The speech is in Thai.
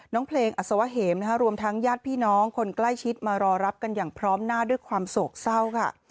น้องเพลงอัศวะเหมรวมทั้งญาติพี่น้องคนใกล้ชิดมารอรับกันอย่างพร้อมหน้าด้วยความโศกเศร้าค่ะ